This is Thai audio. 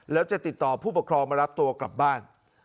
แล้วจะติดต่อผู้ปกครองมารับตัวกลับบ้าน